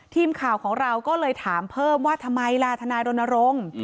ทีมข่าวของเราก็เลยถามเพิ่มว่าทำไมล่ะทนายรณรงค์